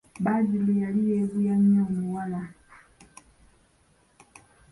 Badru yali yeeguya nnyo omuwala.